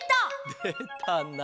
でたな。